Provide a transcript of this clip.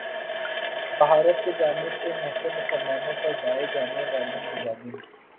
بھارت کی جانب سے نہتے مسلمانوں پر ڈھائے جانے والے مظالم